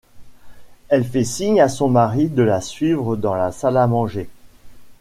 Elle fit signe à son mari de la suivre dans la salle à manger.